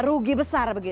rugi besar begitu